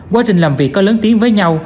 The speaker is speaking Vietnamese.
quá trình làm việc có lớn tiếng với nhau